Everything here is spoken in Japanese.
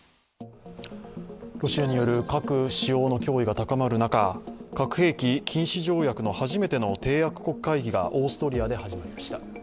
ロシアによる核使用の脅威が高まる中核兵器禁止条約の初めての締約国会議がオーストリアで始まりました。